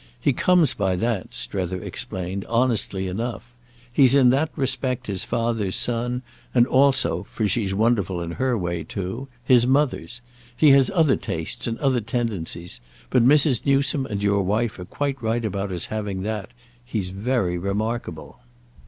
He comes by that," Strether explained, "honestly enough. He's in that respect his father's son, and also—for she's wonderful in her way too—his mother's. He has other tastes and other tendencies; but Mrs. Newsome and your wife are quite right about his having that. He's very remarkable."